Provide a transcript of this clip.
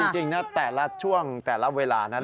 จริงแต่ละช่วงแต่ละเวลานะ